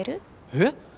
えっ？